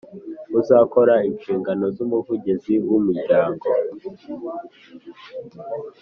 uzakora inshingano z Umuvugizi w umuryango